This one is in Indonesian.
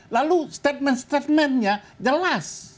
lalu statement statementnya jelas